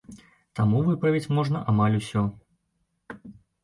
Таму выправіць можна амаль усё.